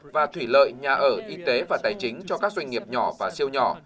và thủy lợi nhà ở y tế và tài chính cho các doanh nghiệp nhỏ và siêu nhỏ